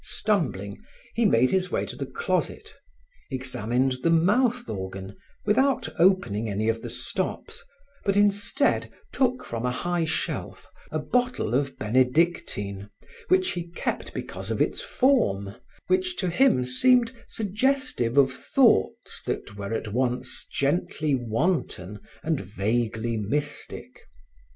Stumbling, he made his way to the closet, examined the mouth organ without opening any of the stops, but instead took from a high shelf a bottle of benedictine which he kept because of its form which to him seemed suggestive of thoughts that were at once gently wanton and vaguely mystic.